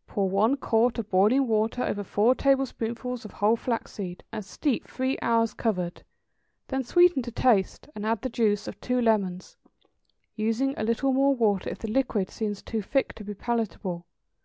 = Pour one quart of boiling water over four tablespoonfuls of whole flaxseed, and steep three hours covered. Then sweeten to taste, and add the juice of two lemons, using a little more water if the liquid seems too thick to be palatable.